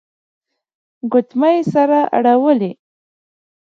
ګوتمۍ يې سره اړولې.